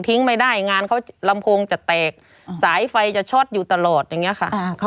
ไม่ได้งานเขาลำโพงจะแตกสายไฟจะช็อตอยู่ตลอดอย่างนี้ค่ะ